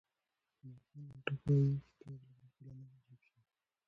ایمل خټک وايي کتاب لا بشپړ نه دی چاپ شوی.